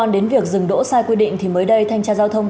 đã dừng đỗ sai quy định